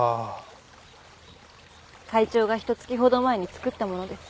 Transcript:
会長がひと月ほど前に作ったものです。